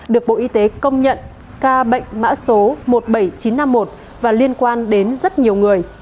được bộ y tế công nhận ca bệnh mã số một mươi bảy nghìn chín trăm năm mươi một và liên quan đến rất nhiều người